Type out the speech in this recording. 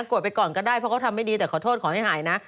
วดไปก่อนก็ได้เพราะเขาทำไม่ดีแต่ขอโทษขอให้หายนะ